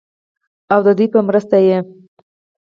او ددوي پۀ مرسته ئې